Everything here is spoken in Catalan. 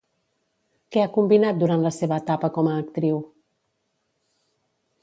Què ha combinat durant la seva etapa com a actriu?